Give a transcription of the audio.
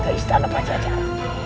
ke istana pajajara